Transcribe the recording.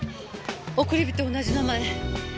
送り火と同じ名前。